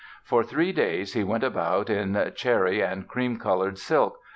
For three days he went about in "cherry and cream colored silk".